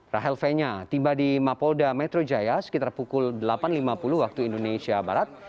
rahel fenya tiba di mapolda metro jaya sekitar pukul delapan lima puluh waktu indonesia barat